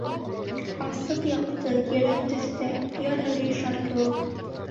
Асыҡ яҡты, ерән төҫтә, Пьер Ришар кеүек.